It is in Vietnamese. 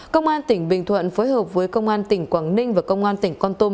công an tỉnh bình thuận phối hợp với công an tỉnh quảng ninh và công an tỉnh con tum